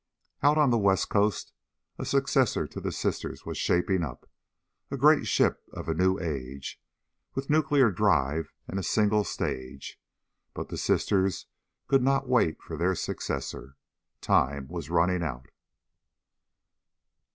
Out on the West Coast a successor to the sisters was shaping up a great ship of a new age, with nuclear drive and a single stage. But the sisters could not wait for their successor. Time was running out.